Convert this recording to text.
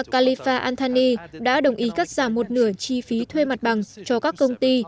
khalifa anthony đã đồng ý cắt giảm một nửa chi phí thuê mặt bằng cho các công ty